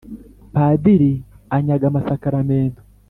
Padiri anyaga amasakaramentu.